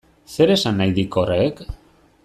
Zer esan nahi dik horrek?